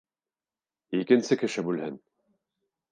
Икенсе кеше бүлһен!